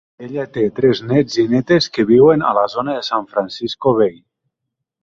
Ella té tres néts i nétes que viuen a la zona de San Francisco Bay.